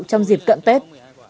trong dịp cận tết